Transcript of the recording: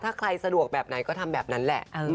ถ้าใครสะดวกแบบไหนก็ทำแบบนั้นแหละ